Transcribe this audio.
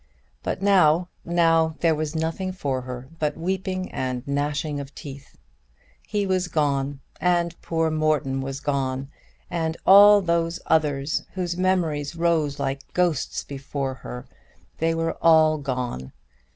But now, now there was nothing for her but weeping and gnashing of teeth. He was gone, and poor Morton was gone; and all those others, whose memories rose like ghosts before her; they were all gone.